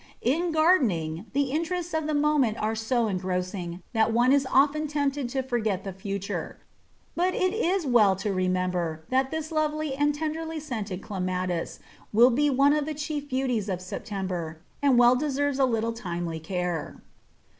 In gardening, the interests of the moment are so engrossing that one is often tempted to forget the future; but it is well to remember that this lovely and tenderly scented Clematis will be one of the chief beauties of September, and well deserves a little timely care.